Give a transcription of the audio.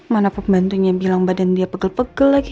mana pembantunya bilang badan dia pegel pegel lagi